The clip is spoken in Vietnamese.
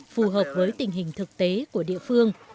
phù hợp với tình hình thực tế của địa phương